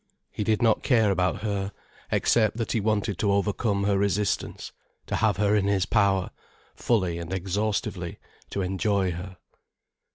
He did not care about her, except that he wanted to overcome her resistance, to have her in his power, fully and exhaustively to enjoy her.